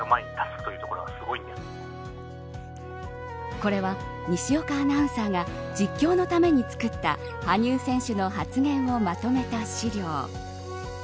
これは西岡アナウンサーが実況のために作った羽生選手の発言をまとめた資料。